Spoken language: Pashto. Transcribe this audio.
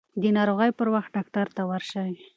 د ناروغۍ پر وخت ډاکټر ته ورشئ.